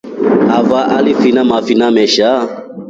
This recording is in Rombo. Avaa alifina mafina mesha.